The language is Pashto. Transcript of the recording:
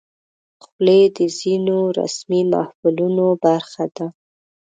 خولۍ د ځینو رسمي محفلونو برخه ده.